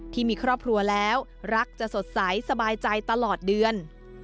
ที่มีครอบครัวแล้วรักจะสดใสสบายใจตลอดเดือน